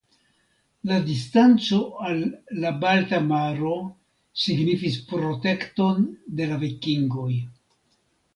La distanco al la Balta Maro signifis protekton de la vikingoj.